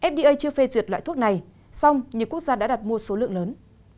fda chưa phê duyệt loại thuốc này song nhiều quốc gia đã đặt mua số lượng lớn